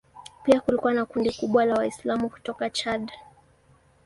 Pia kulikuwa na kundi kubwa la Waislamu kutoka Chad.